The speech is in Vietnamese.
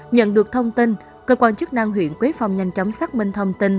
nhận được thông tin cơ quan chức năng huyện quế phong nhanh chóng xác minh thông tin